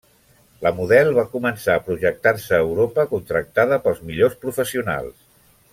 La model va començar a projectar-se a Europa, contractada pels millors professionals.